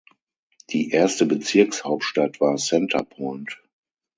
Die erste Bezirkshauptstadt war Center Point.